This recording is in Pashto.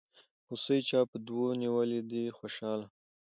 هوسۍ چا په دو نيولې دي خوشحاله